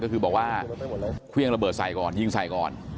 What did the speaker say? ก็คือบอกว่าเครื่องระเบิดใส่ก่อนยิงใส่ก่อน